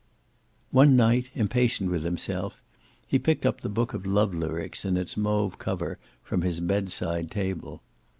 One night, impatient with himself, he picked up the book of love lyrics in its mauve cover, from his bedside table.